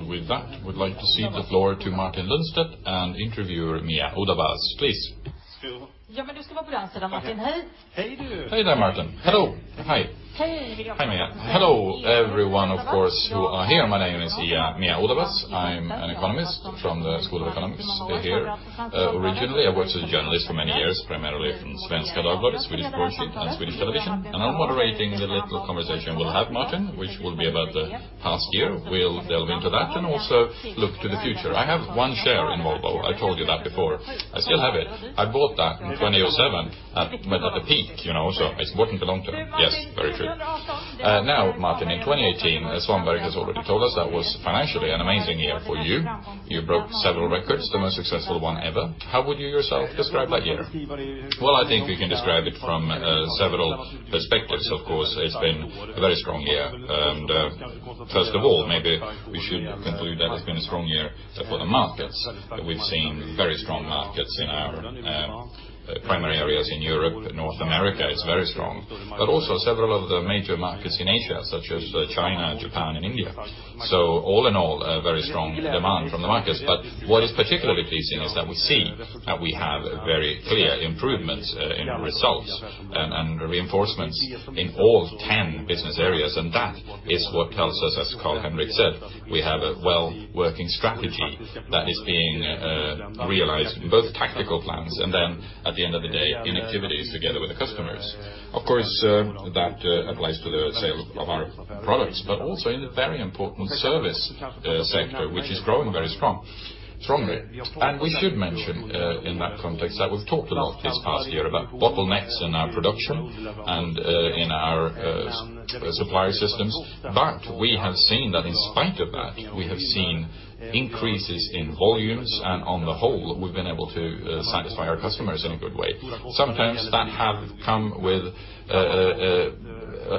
With that, would like to cede the floor to Martin Lundstedt and interviewer Mia Odabas. Please. You should be on that side, Martin. Hi. Hi. Hey there, Martin. Hello. Hi. Hi. Hi, Mia. Hello, everyone, of course, who are here. My name is Mia Odabas. I'm an economist from the School of Economics here. Originally, I worked as a journalist for many years, primarily from Svenska Dagbladet, Swedish Newspaper and Swedish Television, and I'm moderating the little conversation we'll have, Martin, which will be about the past year. We'll delve into that and also look to the future. I have one share in Volvo. I told you that before. I still have it. I bought that in 2007, but at the peak, so it wasn't long-term. Yes, very true. Martin, in 2018, Svanberg has already told us that was financially an amazing year for you. You broke several records, the most successful one ever. How would you yourself describe that year? I think we can describe it from several perspectives. Of course, it's been a very strong year. First of all, maybe we should conclude that it's been a strong year for the markets. We've seen very strong markets in our primary areas in Europe and North America is very strong, but also several of the major markets in Asia, such as China, Japan, and India. All in all, a very strong demand from the markets. What is particularly pleasing is that we see that we have very clear improvements in results and reinforcements in all 10 business areas. That is what tells us, as Carl-Henric said, we have a well-working strategy that is being realized in both tactical plans, and then at the end of the day, in activities together with the customers. Of course, that applies to the sale of our products, but also in the very important service sector, which is growing very strongly. We should mention in that context that we've talked a lot this past year about bottlenecks in our production and in our supplier systems. We have seen that in spite of that, we have seen increases in volumes, and on the whole, we've been able to satisfy our customers in a good way. Sometimes that have come with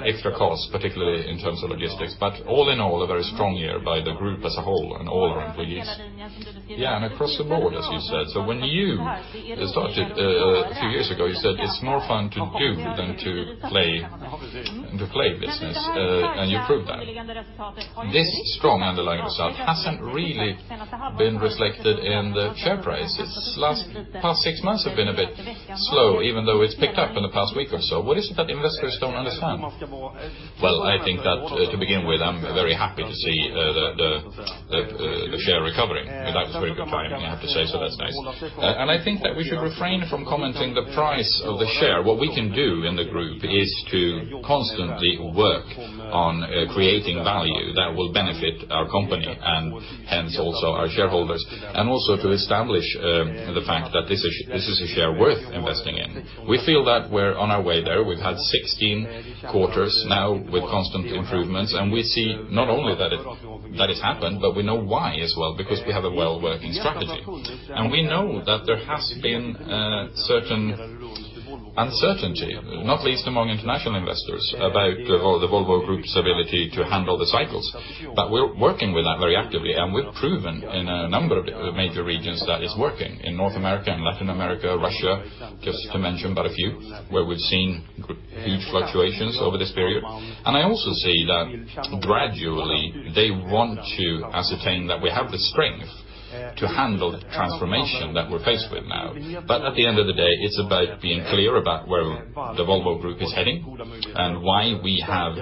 extra costs, particularly in terms of logistics. All in all, a very strong year by the group as a whole and all our employees. Yeah, across the board, as you said. When you started a few years ago, you said it's more fun to do than to play business, and you proved that. This strong underlying result hasn't really been reflected in the share price. Its past six months have been a bit slow, even though it's picked up in the past week or so. What is it that investors don't understand? Well, I think that to begin with, I'm very happy to see the share recovering. That was very good timing, I have to say, so that's nice. I think that we should refrain from commenting the price of the share. What we can do in the group is to constantly work on creating value that will benefit our company and hence also our shareholders, and also to establish the fact that this is a share worth investing in. We feel that we're on our way there. We've had 16 quarters now with constant improvements, and we see not only that it's happened, but we know why as well, because we have a well-working strategy. We know that there has been certain uncertainty, not least among international investors, about the Volvo Group's ability to handle the cycles. We're working with that very actively, and we've proven in a number of major regions that it's working. In North America and Latin America, Russia, just to mention but a few, where we've seen huge fluctuations over this period. I also see that gradually they want to ascertain that we have the strength to handle the transformation that we're faced with now. At the end of the day, it's about being clear about where the Volvo Group is heading and why we have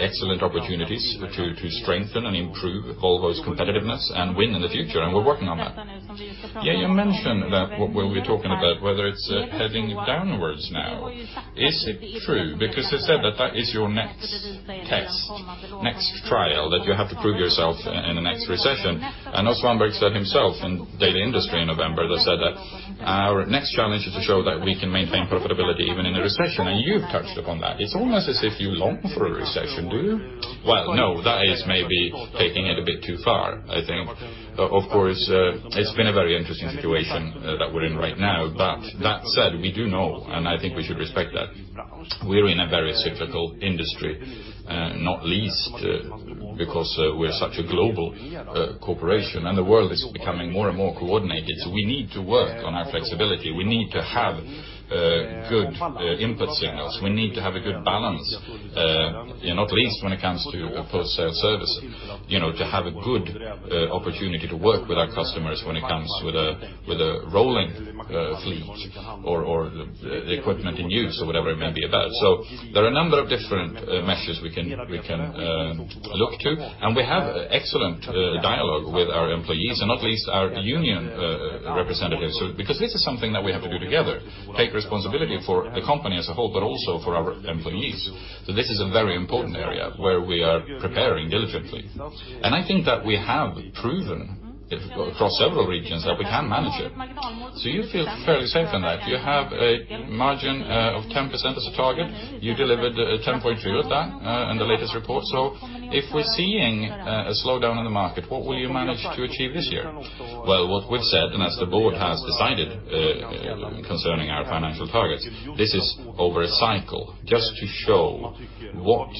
excellent opportunities to strengthen and improve Volvo's competitiveness and win in the future. We're working on that. Yeah, you mentioned that what we're talking about, whether it's heading downwards now. Is it true? Because they said that that is your next test, next trial, that you have to prove yourself in the next recession. Svanberg said himself in Dagens Industri in November, they said that our next challenge is to show that we can maintain profitability even in a recession. You've touched upon that. It's almost as if you long for a recession, do you? Well, no. That is maybe taking it a bit too far, I think. Of course, it's been a very interesting situation that we're in right now. That said, we do know, and I think we should respect that we're in a very cyclical industry, not least because we're such a global corporation, and the world is becoming more and more coordinated. We need to work on our flexibility. We need to have good input signals. We need to have a good balance, not least when it comes to post-sale service, to have a good opportunity to work with our customers when it comes with a rolling fleet or the equipment in use or whatever it may be about. There are a number of different measures we can look to, and we have excellent dialogue with our employees, and at least our union representatives, because this is something that we have to do together, take responsibility for the company as a whole, but also for our employees. This is a very important area where we are preparing diligently. I think that we have proven across several regions that we can manage it. You feel fairly safe in that. You have a margin of 10% as a target. You delivered 10.3% with that in the latest report. If we're seeing a slowdown in the market, what will you manage to achieve this year? Well, what we've said, and as the board has decided concerning our financial targets, this is over a cycle just to show what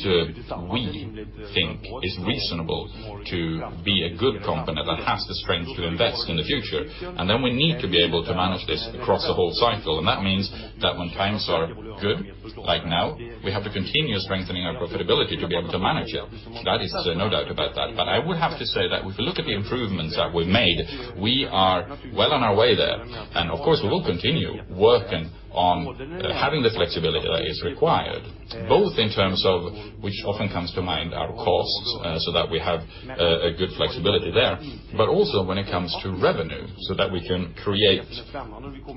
we think is reasonable to be a good company that has the strength to invest in the future. Then we need to be able to manage this across the whole cycle. That means that when times are good, like now, we have to continue strengthening our profitability to be able to manage it. That is no doubt about that. I would have to say that if we look at the improvements that we've made, we are well on our way there. Of course, we will continue working on having the flexibility that is required, both in terms of which often comes to mind are costs, so that we have a good flexibility there, but also when it comes to revenue, so that we can create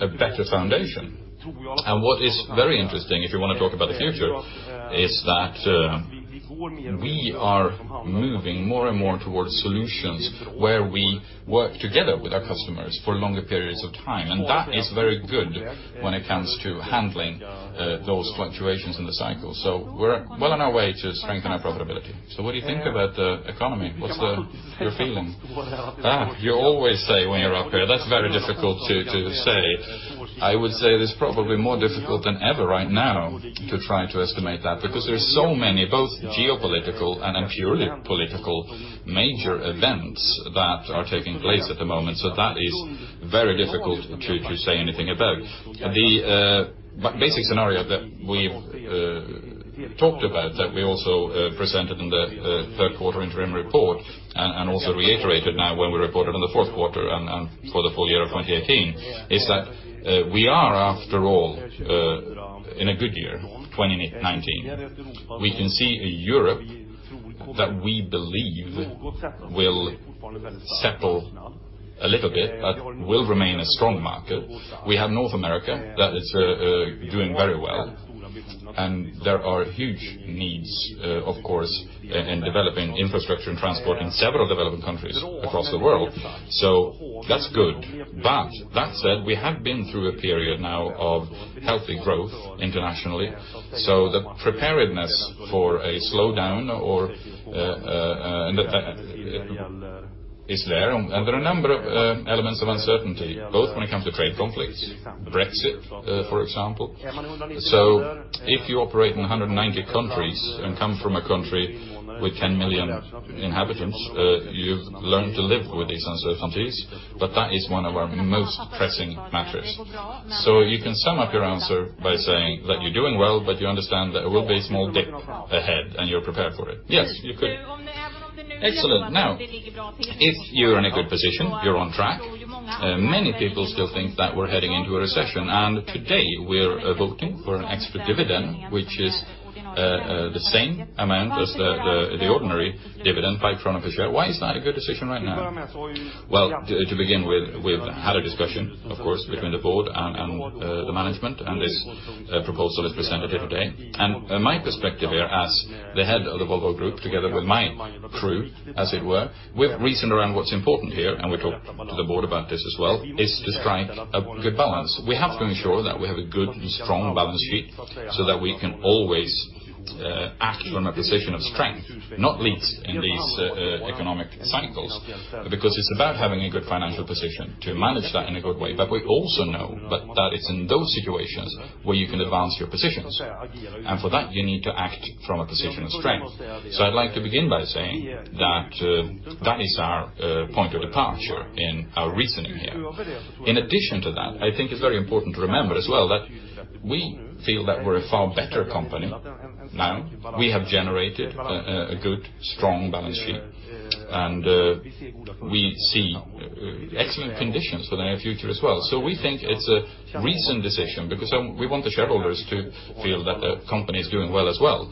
a better foundation. What is very interesting, if you want to talk about the future, is that we are moving more and more towards solutions where we work together with our customers for longer periods of time. That is very good when it comes to handling those fluctuations in the cycle. We're well on our way to strengthen our profitability. What do you think about the economy? What's your feeling? You always say when you're up here, that's very difficult to say. I would say it is probably more difficult than ever right now to try to estimate that because there's so many, both geopolitical and purely political major events that are taking place at the moment. That is very difficult to say anything about. The basic scenario that we've talked about, that we also presented in the third quarter interim report and also reiterated now when we reported on the fourth quarter and for the full year of 2018, is that we are, after all, in a good year, 2019. We can see a Europe that we believe will settle a little bit, but will remain a strong market. We have North America that is doing very well, and there are huge needs, of course, in developing infrastructure and transport in several developing countries across the world. That is good. That said, we have been through a period now of healthy growth internationally. The preparedness for a slowdown is there. There are a number of elements of uncertainty, both when it comes to trade conflicts, Brexit, for example. If you operate in 190 countries and come from a country with 10 million inhabitants, you learn to live with these uncertainties. That is one of our most pressing matters. You can sum up your answer by saying that you're doing well, but you understand that there will be a small dip ahead and you're prepared for it. Yes, you could. Excellent. If you're in a good position, you're on track. Many people still think that we're heading into a recession, today we're voting for an extra dividend, which is the same amount as the ordinary dividend, SEK 5 per share. Why is that a good decision right now? To begin with, we've had a discussion, of course, between the board and the management, this proposal is presented here today. My perspective here as the head of the Volvo Group, together with my crew, as it were, we've reasoned around what's important here, and we talked to the board about this as well, is to strike a good balance. We have to ensure that we have a good and strong balance sheet so that we can always act from a position of strength, not least in these economic cycles, because it's about having a good financial position to manage that in a good way. We also know that it's in those situations where you can advance your positions, and for that, you need to act from a position of strength. I'd like to begin by saying that that is our point of departure in our reasoning here. In addition to that, I think it's very important to remember as well that we feel that we're a far better company now. We have generated a good, strong balance sheet, we see excellent conditions for the near future as well. We think it's a recent decision because we want the shareholders to feel that the company is doing well as well.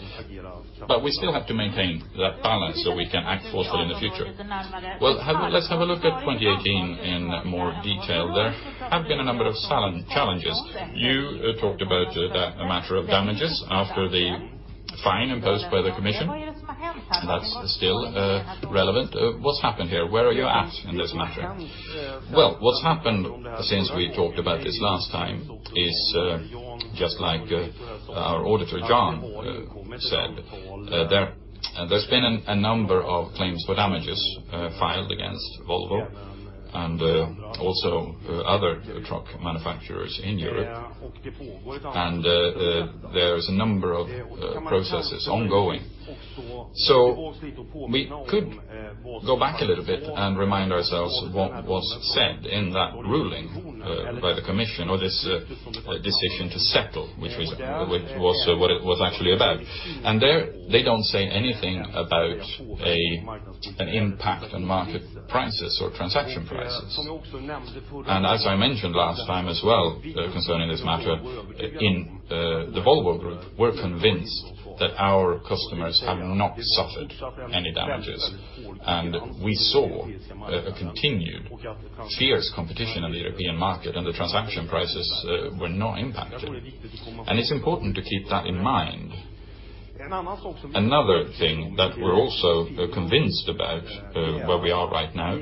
We still have to maintain that balance so we can act forcefully in the future. Let's have a look at 2018 in more detail. There have been a number of challenges. You talked about a matter of damages after the fine imposed by the commission. That's still relevant. What's happened here? Where are you at in this matter? Well, what's happened since we talked about this last time is, just like our auditor, Jan, said, there's been a number of claims for damages filed against Volvo and also other truck manufacturers in Europe. There's a number of processes ongoing. We could go back a little bit and remind ourselves what was said in that ruling by the commission or this decision to settle, which was what it was actually about. They don't say anything about an impact on market prices or transaction prices. As I mentioned last time as well concerning this matter in the Volvo Group, we're convinced that our customers have not suffered any damages, and we saw a continued fierce competition on the European market, and the transaction prices were not impacted. It's important to keep that in mind. Another thing that we're also convinced about where we are right now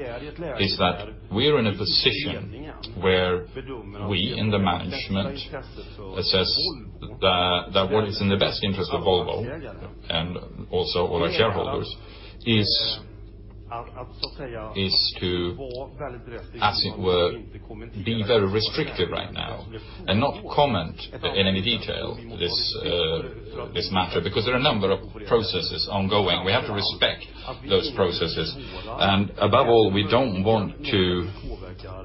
is that we are in a position where we in the management assess that what is in the best interest of Volvo and also all our shareholders is to, as it were, be very restrictive right now and not comment in any detail this matter, because there are a number of processes ongoing. We have to respect those processes, and above all, we don't want to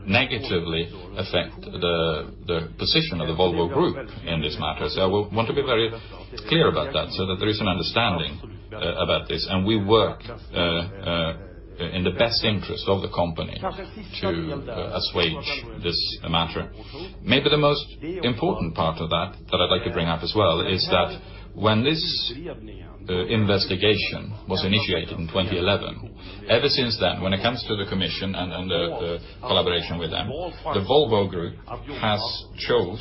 negatively affect the position of the Volvo Group in this matter. I want to be very clear about that so that there is an understanding about this, and we work in the best interest of the company to assuage this matter. Maybe the most important part of that I'd like to bring up as well, is that when this investigation was initiated in 2011, ever since then, when it comes to the commission and the collaboration with them, the Volvo Group has chose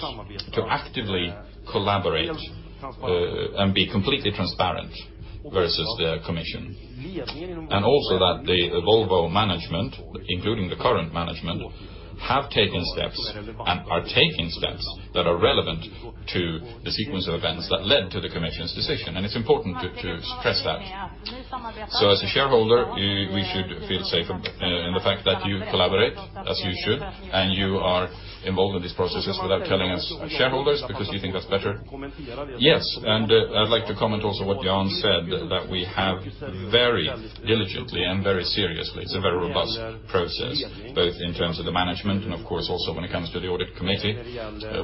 to actively collaborate and be completely transparent versus the commission. Also that the Volvo management, including the current management, have taken steps and are taking steps that are relevant to the sequence of events that led to the commission's decision. It's important to stress that. As a shareholder, we should feel safe in the fact that you collaborate as you should, and you are involved in these processes without telling us as shareholders, because you think that's better? Yes. I'd like to comment also what Jan said, that we have very diligently and very seriously, it's a very robust process, both in terms of the management and of course, also when it comes to the audit committee.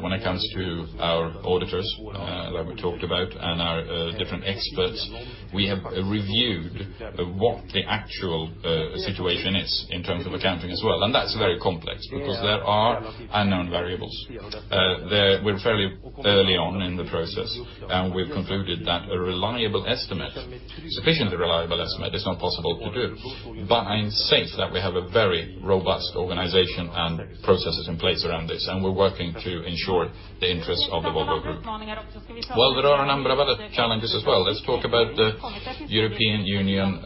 When it comes to our auditors that we talked about and our different experts, we have reviewed what the actual situation is in terms of accounting as well. That's very complex because there are unknown variables. We're fairly early on in the process, and we've concluded that a sufficiently reliable estimate is not possible to do. I insist that we have a very robust organization and processes in place around this, and we're working to ensure the interest of the Volvo Group. There are a number of other challenges as well. Let's talk about the European Union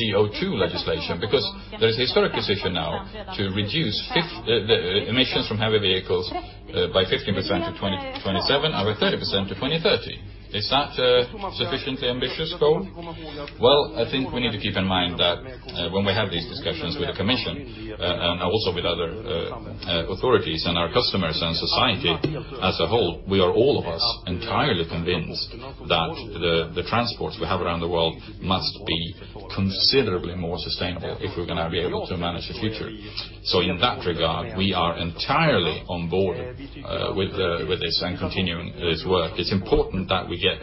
CO2 legislation, because there is a historic decision now to reduce emissions from heavy vehicles by 15% to 2027, over 30% to 2030. Is that a sufficiently ambitious goal? Well, I think we need to keep in mind that when we have these discussions with the commission, and also with other authorities and our customers and society as a whole, we are, all of us, entirely convinced that the transports we have around the world must be considerably more sustainable if we're going to be able to manage the future. In that regard, we are entirely on board with this and continuing this work. It's important that we get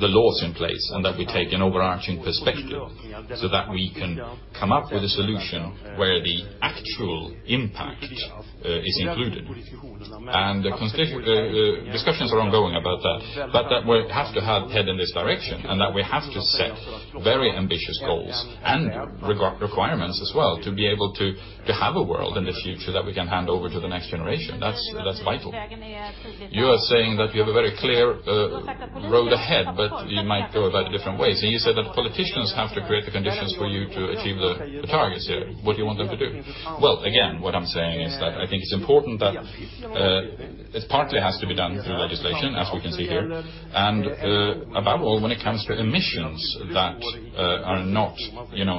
the laws in place and that we take an overarching perspective so that we can come up with a solution where the actual impact is included. The discussions are ongoing about that, but that we have to head in this direction and that we have to set very ambitious goals and requirements as well to be able to have a world in the future that we can hand over to the next generation. That's vital. You are saying that you have a very clear road ahead, but you might go about it different ways. You said that politicians have to create the conditions for you to achieve the targets here. What do you want them to do? Well, again, what I'm saying is that I think it's important that it partly has to be done through legislation, as we can see here, and above all, when it comes to emissions that are not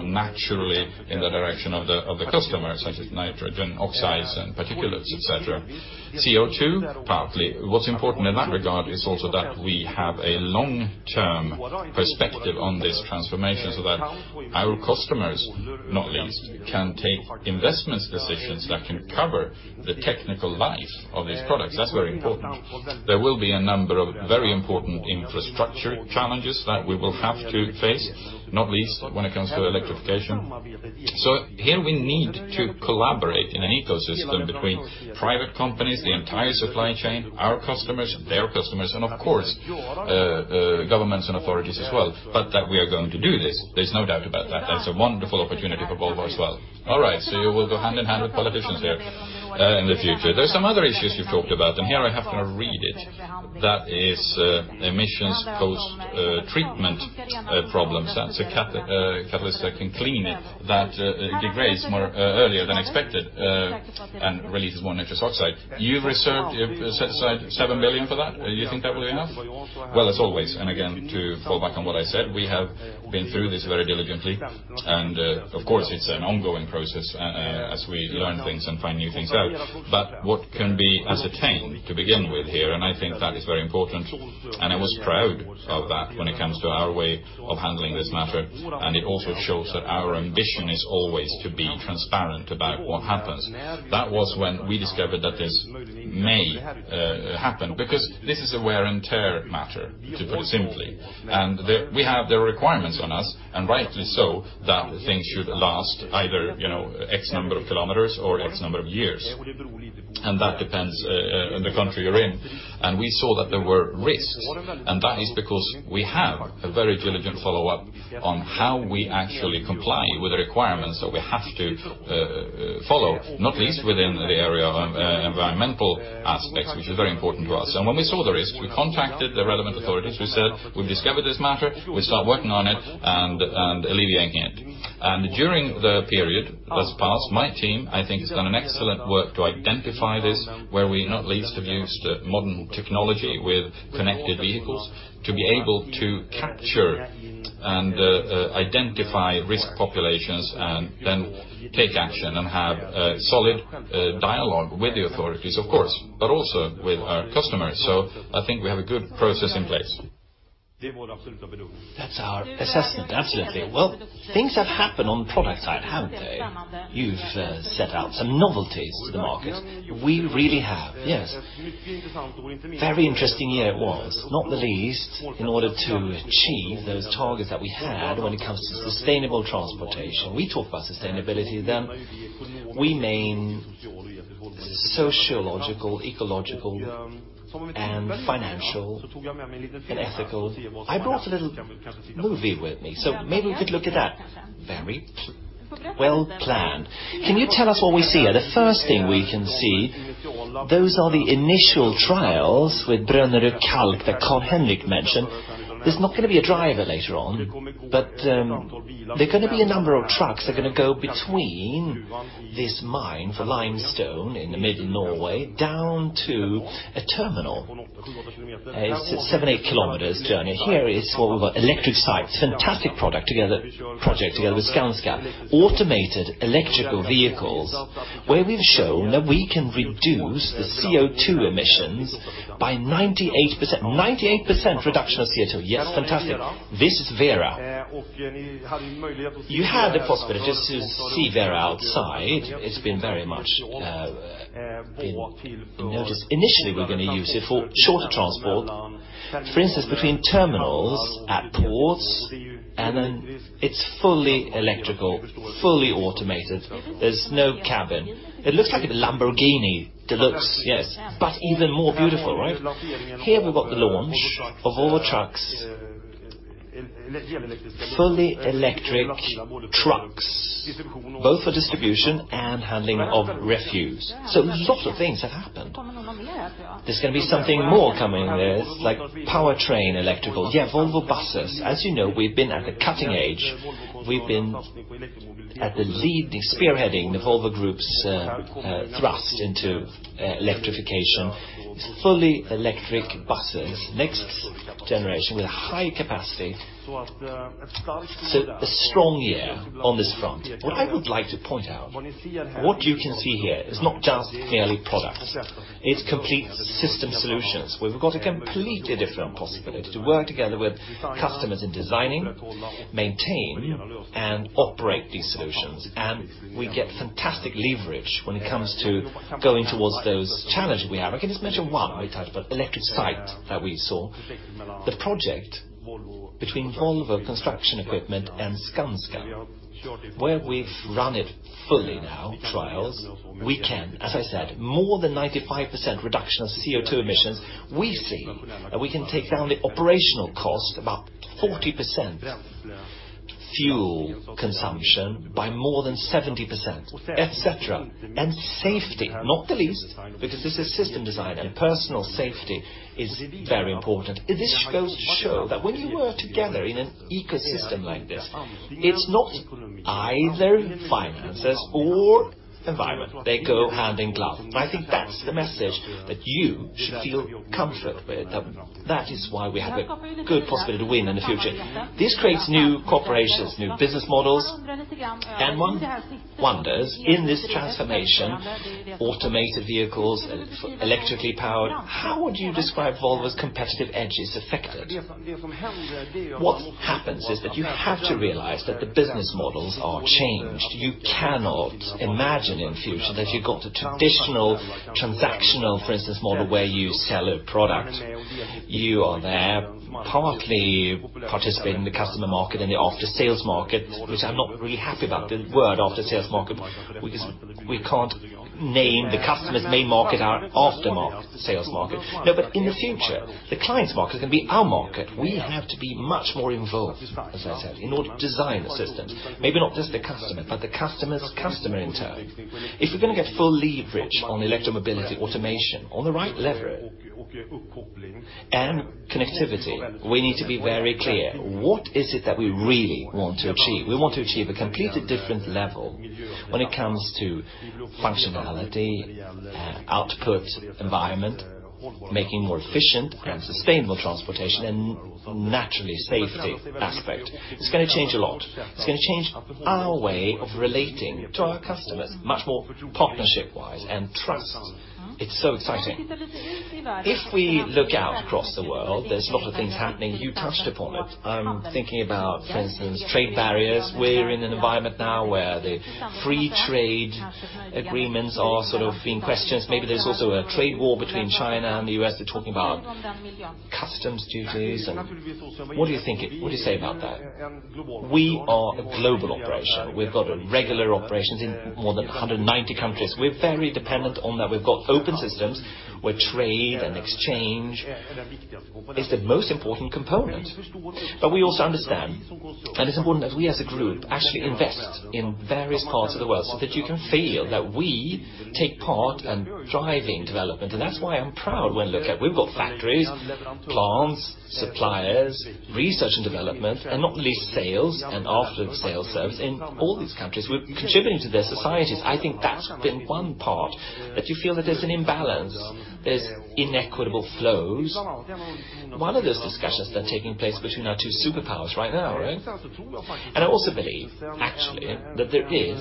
naturally in the direction of the customer, such as nitrogen oxides and particulates, et cetera. CO2, partly. What's important in that regard is also that we have a long-term perspective on this transformation so that our customers, not least, can take investment decisions that can cover the technical life of these products. That's very important. There will be a number of very important infrastructure challenges that we will have to face, not least when it comes to electrification. Here we need to collaborate in an ecosystem between private companies, the entire supply chain, our customers, their customers, and of course, governments and authorities as well. But that we are going to do this, there's no doubt about that. That's a wonderful opportunity for Volvo as well. All right, you will go hand in hand with politicians there in the future. There's some other issues you've talked about, and here I have to read it. That is emissions post-treatment problems. That's a catalyst that can clean it, that degrades more earlier than expected and releases more nitrous oxide. You've reserved, you have set aside 7 billion for that. Do you think that will be enough? Well, as always, and again, to fall back on what I said, we have been through this very diligently. Of course, it's an ongoing process as we learn things and find new things out. What can be ascertained to begin with here, and I think that is very important, and I was proud of that when it comes to our way of handling this matter, and it also shows that our ambition is always to be transparent about what happens. That was when we discovered that this may happen, because this is a wear and tear matter, to put it simply. We have the requirements on us, and rightly so, that things should last either X number of kilometers or X number of years. That depends on the country you're in. We saw that there were risks, that is because we have a very diligent follow-up on how we actually comply with the requirements that we have to follow, not least within the area of environmental aspects, which is very important to us. When we saw the risk, we contacted the relevant authorities. We said, "We've discovered this matter. We start working on it and alleviating it." During the period thus passed, my team, I think, has done an excellent work to identify this, where we not least have used modern technology with connected vehicles to be able to capture and identify risk populations and then take action and have a solid dialogue with the authorities, of course, but also with our customers. I think we have a good process in place. That's our assessment. Absolutely. Things have happened on the product side, haven't they? You've set out some novelties to the market. We really have, yes. Very interesting year it was, not the least, in order to achieve those targets that we had when it comes to sustainable transportation. We talk about sustainability, then we name sociological, ecological, financial, and ethical. I brought a little movie with me, so maybe we could look at that. Very well planned. Can you tell us what we see here? The first thing we can see, those are the initial trials with Brønnøy Kalk that Carl-Henric mentioned. There's not going to be a driver later on, but there are going to be a number of trucks that are going to go between this mine for limestone in the mid Norway, down to a terminal. It's seven, eight kilometers journey. Here is what we've got Electric Site. Fantastic project together with Skanska. Automated electrical vehicles, where we've shown that we can reduce the CO2 emissions by 98%. 98% reduction of CO2. Yes, fantastic. This is Vera. You had the possibility to see Vera outside. It's been very much being noticed. Initially, we're going to use it for shorter transport, for instance, between terminals at ports, and then it's fully electrical, fully automated. There's no cabin. It looks like a Lamborghini. It looks, yes, but even more beautiful, right? Here we've got the launch of Volvo Trucks, fully electric trucks, both for distribution and handling of refuse. Lots of things have happened. There's going to be something more coming. There's like powertrain electrical. Volvo Buses. As you know, we've been at the cutting edge. We've been at the lead, spearheading the Volvo Group's thrust into electrification. It's fully electric buses, next generation with a high capacity. A strong year on this front. What I would like to point out, what you can see here is not just merely product, it's complete system solutions, where we've got a completely different possibility to work together with customers in designing, maintain, and operate these solutions. We get fantastic leverage when it comes to going towards those challenges we have. I can just mention one we touched about, Electric Site that we saw. The project between Volvo Construction Equipment and Skanska, where we've run it fully now, trials. We can, as I said, more than 95% reduction of CO2 emissions. We see that we can take down the operational cost about 40%, fuel consumption by more than 70%, et cetera. Safety, not the least, because this is system design, and personal safety is very important. This goes to show that when you work together in an ecosystem like this, it's not either finances or environment. They go hand in glove. I think that's the message that you should feel comfort with, that that is why we have a good possibility to win in the future. This creates new corporations, new business models, and one wonders, in this transformation, automated vehicles, electrically powered, how would you describe Volvo's competitive edge is affected? What happens is that you have to realize that the business models are changed. You cannot imagine in future that you got a traditional transactional, for instance, model where you sell a product. You are there partly participating in the customer market, in the after-sales market, which I'm not really happy about the word after-sales market, because we can't name the customer's main market our after-market sales market. In the future, the client's market is going to be our market. We have to be much more involved, as I said, in order to design the systems. Maybe not just the customer, but the customer's customer in turn. If you're going to get full leverage on electromobility automation, on the right lever and connectivity, we need to be very clear, what is it that we really want to achieve? We want to achieve a completely different level when it comes to functionality, output, environment, making more efficient and sustainable transportation, and naturally safety aspect. It's going to change a lot. It's going to change our way of relating to our customers, much more partnership-wise and trust. It's so exciting. If we look out across the world, there's a lot of things happening. You touched upon it. I'm thinking about, for instance, trade barriers. We're in an environment now where the free trade agreements are sort of being questioned. Maybe there's also a trade war between China and the U.S. They're talking about customs duties and what are you thinking? What do you say about that? We are a global operation. We've got regular operations in more than 190 countries. We're very dependent on that. We've got open systems where trade and exchange is the most important component. We also understand, and it's important that we as a group actually invest in various parts of the world so that you can feel that we take part in driving development. That's why I'm proud when I look at we've got factories, plants, suppliers, research and development, and not the least sales and after-sales service in all these countries. We're contributing to their societies. I think that's been one part that you feel that there's an imbalance, there's inequitable flows. One of those discussions that are taking place between our two superpowers right now, right? I also believe actually that there is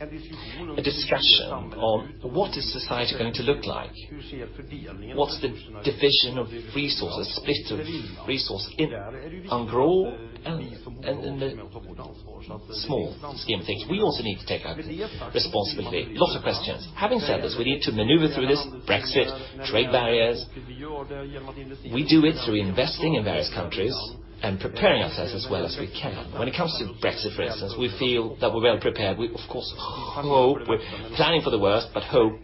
a discussion on what is society going to look like? What's the division of resources, split of resources in on grow and in the small scheme of things? We also need to take our responsibility. Lots of questions. Having said this, we need to maneuver through this Brexit trade barriers. We do it through investing in various countries and preparing ourselves as well as we can. When it comes to Brexit, for instance, we feel that we're well prepared. We, of course, hope we're planning for the worst, but hope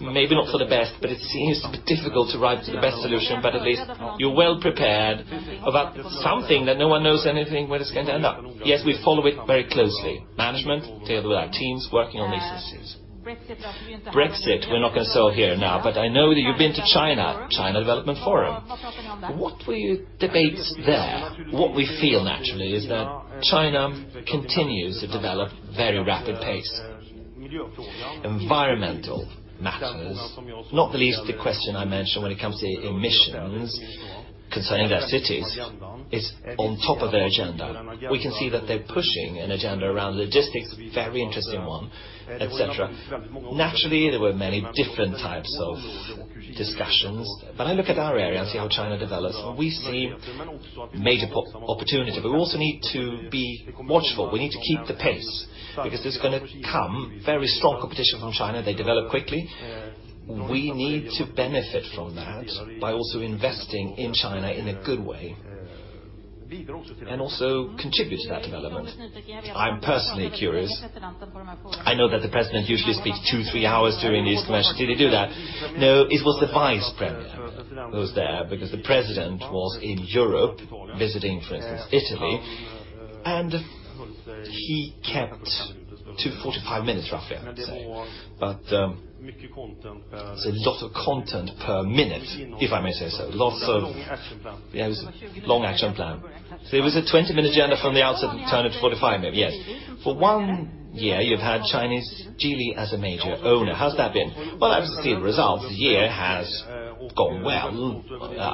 maybe not for the best, but it seems to be difficult to arrive to the best solution. At least you're well prepared about something that no one knows anything where it's going to end up. Yes, we follow it very closely. Management, together with our teams working on these issues. Brexit, we're not going to sell here now, but I know that you've been to China Development Forum. What were your debates there? What we feel naturally is that China continues to develop very rapid pace. Environmental matters, not the least the question I mentioned when it comes to emissions concerning their cities is on top of their agenda. We can see that they're pushing an agenda around logistics, very interesting one, et cetera. Naturally, there were many different types of discussions. When I look at our area and see how China develops, we see major opportunity, but we also need to be watchful. We need to keep the pace because there's going to come very strong competition from China. They develop quickly. We need to benefit from that by also investing in China in a good way, and also contribute to that development. I'm personally curious. I know that the President usually speaks two, three hours during these commercial. It was the Vice Premier who was there because the President was in Europe visiting, for instance, Italy, and he kept to 45 minutes, roughly I'd say. But it's a lot of content per minute, if I may say so. Lots of- Yes, long action plan. There was a 20-minute agenda from the outset, turned into 45 minutes. Yes. For one year you've had Chinese Geely as a major owner. How's that been? Well, I've seen results. The year has gone well.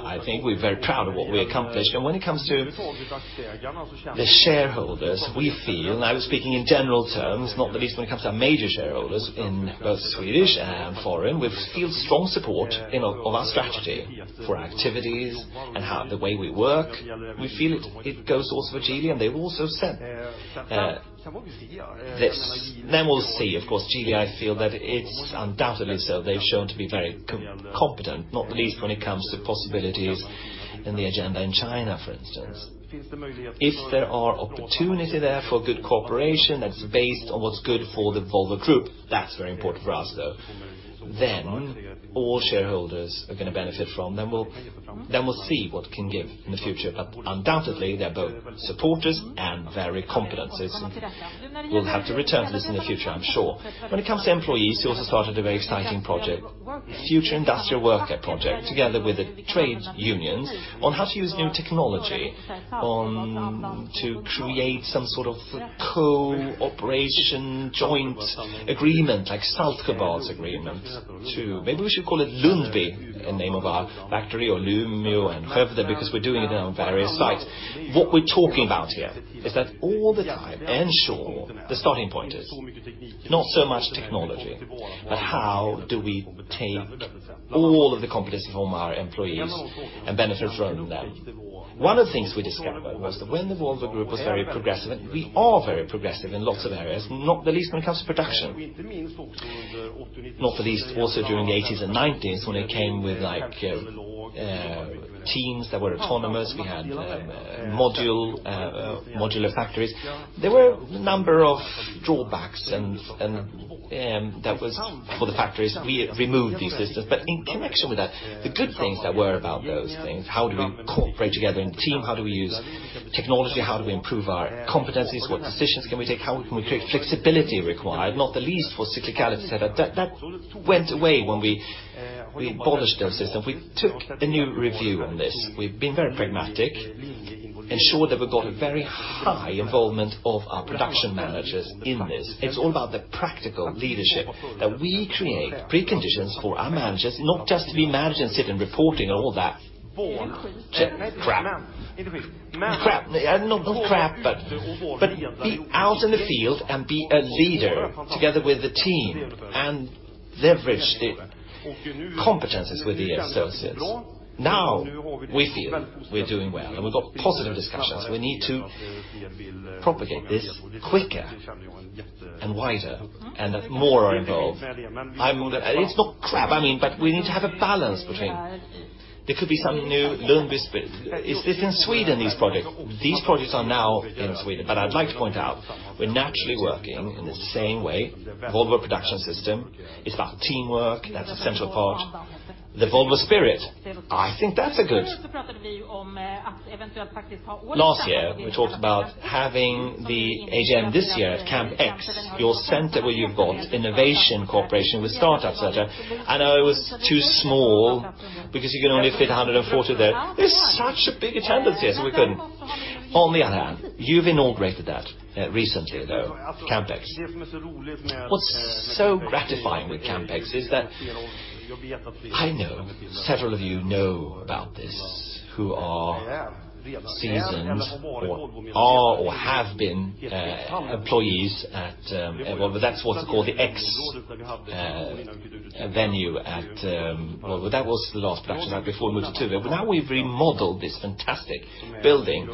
I think we're very proud of what we accomplished. When it comes to the shareholders, we feel, and I was speaking in general terms, not the least when it comes to our major shareholders in both Swedish and foreign. We feel strong support of our strategy for activities and how the way we work, we feel it goes also for Geely, and they've also said this. We'll see. Of course, Geely, I feel that it's undoubtedly so. They've shown to be very competent, not least when it comes to possibilities in the agenda in China, for instance. If there are opportunity there for good cooperation that's based on what's good for the Volvo Group, that's very important for us, though. All shareholders are going to benefit from. We'll see what it can give in the future. But undoubtedly, they're both supporters and very competent. We'll have to return to this in the future, I'm sure. When it comes to employees, you also started a very exciting project, Future Industrial Worker project, together with the trade unions on how to use new technology to create some sort of cooperation, joint agreement, like Saltsjöbaden agreement to maybe we should call it Lundby in name of our factory, or Lumio and Hövda, because we're doing it on various sites. What we're talking about here is that all the time ensure the starting point is not so much technology, but how do we take all of the competency from our employees and benefit from them? One of the things we discovered was that when the Volvo Group was very progressive, and we are very progressive in lots of areas, not the least when it comes to production. Not the least also during the 80s and 90s when it came with teams that were autonomous. We had modular factories. There were a number of drawbacks, and that was for the factories. We removed these systems. In connection with that, the good things that were about those things, how do we cooperate together in team? How do we use technology? How do we improve our competencies? What decisions can we take? How can we create flexibility required, not the least for cyclicality, et cetera? That went away when we abolished those systems. We took a new review on this. We've been very pragmatic, ensure that we got a very high involvement of our production managers in this. It's all about the practical leadership that we create preconditions for our managers, not just to be managers sit and reporting all that crap. Not crap, but be out in the field and be a leader together with the team and leverage the competencies with the associates. Now we feel we're doing well, and we've got positive discussions. We need to propagate this quicker and wider, and that more are involved. It's not crap, but we need to have a balance between. There could be some new Lundby spirit. Is this in Sweden, these projects? These projects are now in Sweden, but I'd like to point out we're naturally working in the same way. Volvo Production System, it's about teamwork. That's a central part. The Volvo spirit, I think that's a good. Last year we talked about having the AGM this year at CampX, your center where you've got innovation cooperation with startup, et cetera. I know it was too small because you can only fit 140 there. There's such a big attendance, yes, we couldn't. On the other hand, you've inaugurated that recently, though, CampX. What's so gratifying with CampX is that I know several of you know about this, who are seasoned or are, or have been employees at, well, that's what's called the ex-venue at, well, that was the last production hub before we moved to Tuve. Now we've remodeled this fantastic building,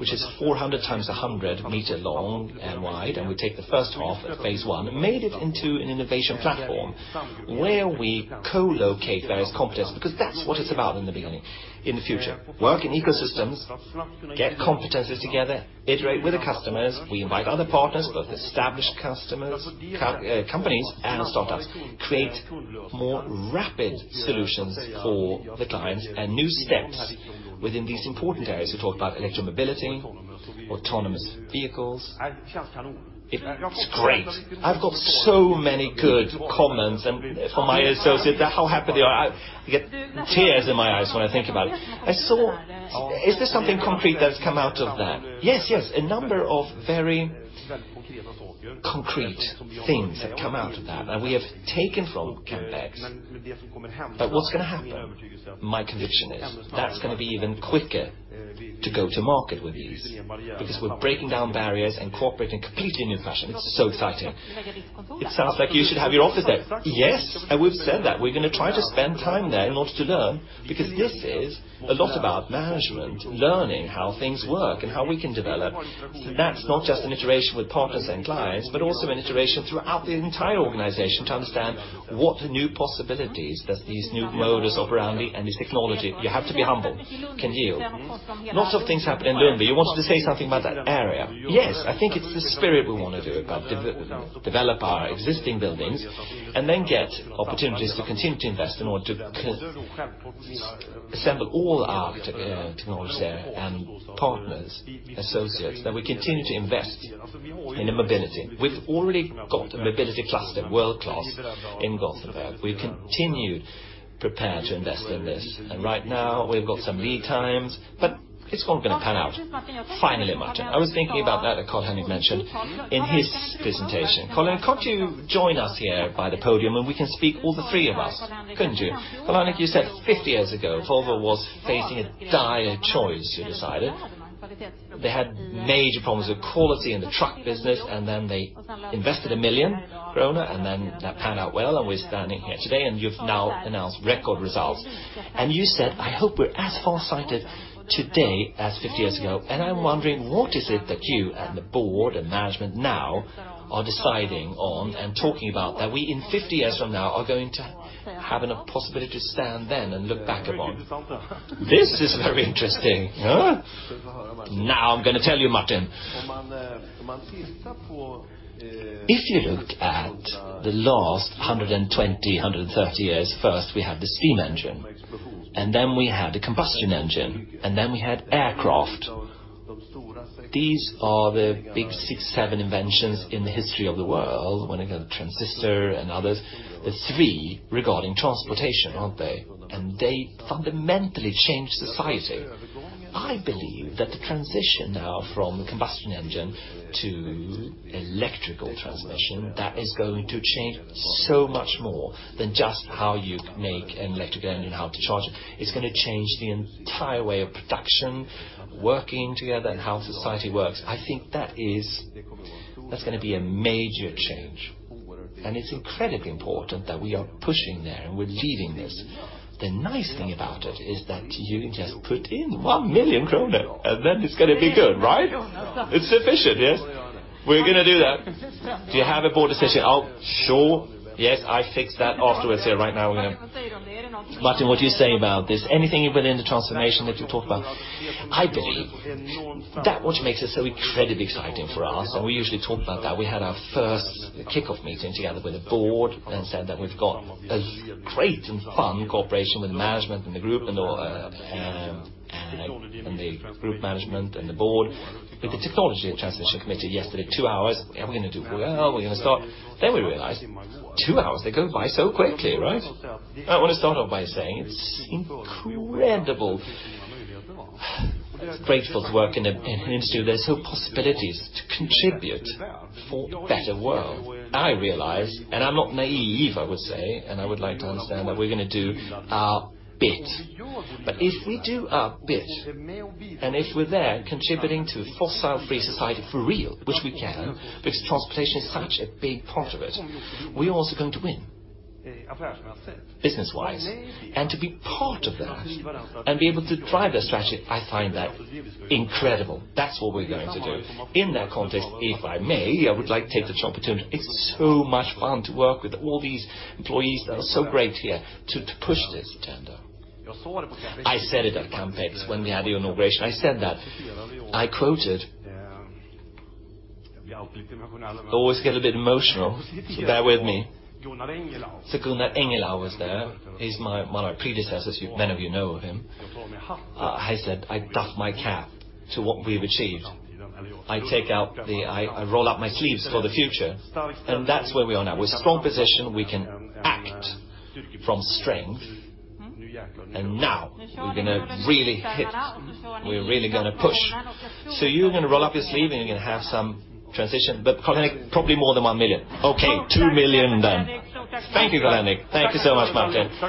which is 400 times 100 meter long and wide, and we take the first half as phase 1, and made it into an innovation platform where we co-locate various competencies, because that's what it's about in the beginning, in the future. Work in ecosystems, get competencies together, iterate with the customers. We invite other partners, both established companies and startups, create more rapid solutions for the clients, and new steps within these important areas. We talked about electromobility, autonomous vehicles. It's great. I've got so many good comments from my associates, how happy they are. I get tears in my eyes when I think about it. Is there something concrete that's come out of that? Yes, a number of very concrete things have come out of that, and we have taken from CampX. What's going to happen, my conviction is, that's going to be even quicker to go to market with these, because we're breaking down barriers and cooperating in a completely new fashion. It's so exciting. It sounds like you should have your office there. We've said that. We're going to try to spend time there in order to learn, because this is a lot about management, learning how things work, and how we can develop. That's not just an iteration with partners and clients, but also an iteration throughout the entire organization to understand what new possibilities that these new modus operandi and this technology, you have to be humble, can yield. Lots of things happen in Lund, but you wanted to say something about that area. Yes, I think it's the spirit we want to do about, develop our existing buildings, and then get opportunities to continue to invest in order to assemble all our technology there and partners, associates, that we continue to invest in mobility. We've already got a mobility cluster, world-class, in Gothenburg. We continue prepared to invest in this. Right now we've got some lead times, but it's all going to pan out. Finally, Martin, I was thinking about that Carl-Henric mentioned in his presentation. Carl-Henric, can't you join us here by the podium and we can speak all the three of us, couldn't you? Carl-Henric, you said 50 years ago, Volvo was facing a dire choice to decide. They had major problems with quality in the truck business. Then they invested 1 million krona, and that panned out well, and we're standing here today, and you've now announced record results. You said, "I hope we're as farsighted today as 50 years ago." I'm wondering, what is it that you and the board and management now are deciding on and talking about that we, in 50 years from now, are going to have a possibility to stand then and look back upon? This is very interesting. I'm going to tell you, Martin. If you looked at the last 120, 130 years, First we had the steam engine. Then we had the combustion engine. Then we had aircraft. These are the big six, seven inventions in the history of the world, when we got the transistor and others. There's three regarding transportation, aren't they? They fundamentally change society. I believe that the transition now from the combustion engine to electrical transmission, that is going to change so much more than just how you make an electrical engine, how to charge it. It's going to change the entire way of production, working together, and how society works. I think that's going to be a major change, and it's incredibly important that we are pushing there and we're leading this. The nice thing about it is that you just put in 1 million kronor, then it's going to be good, right? It's sufficient, yes? We're going to do that. Do you have a board decision? Oh, sure. Yes, I fixed that afterwards here. Right now, Martin, what do you say about this? Anything within the transformation that you talk about? I believe that what makes it so incredibly exciting for us. We usually talk about that. We had our first kickoff meeting together with the board and said that we've got a great and fun cooperation with management and the group and the group management and the board. With the technology transition committee yesterday, two hours, are we going to do well? Are we going to start? We realized two hours, they go by so quickly, right? I want to start off by saying it's incredible, grateful to work in an industry. There are whole possibilities to contribute for better world. I realize, I'm not naïve, I would say, and I would like to understand that we're going to do our bit. If we do our bit, and if we're there contributing to fossil-free society for real, which we can, because transportation is such a big part of it, we're also going to win business-wise. To be part of that and be able to drive that strategy, I find that incredible. That's what we're going to do. In that context, if I may, I would like to take the opportunity. It's so much fun to work with all these employees that are so great here to push this agenda. I said it at CampX when we had the inauguration. I said that, I quoted I always get a bit emotional, so bear with me. Sören Gyll was there. He's one of my predecessors. Many of you know of him. He said, "I doff my cap to what we've achieved. I roll up my sleeves for the future." That's where we are now. With strong position, we can act from strength, and now we're going to really hit. We're really going to push. You're going to roll up your sleeve and you're going to have some transition. Carl-Henric, probably more than 1 million. Okay, 2 million then. Thank you, Carl-Henric. Thank you so much, Martin.